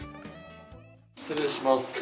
失礼します。